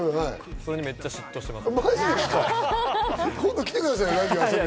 それにめっちゃ嫉妬してます。